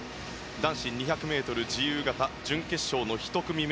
男子２００ｍ自由形準決勝の１組目。